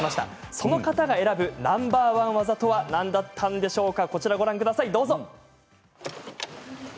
その方が選ぶナンバー１技とは何だったんでしょうか。